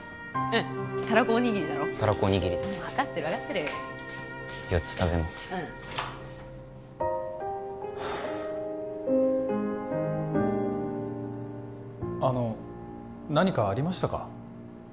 うんあの何かありましたか？